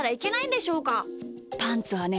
パンツはね